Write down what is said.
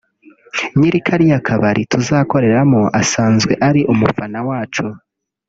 ”Nyiri kariya kabari tuzakoreramo asanzwe ari umufana wacu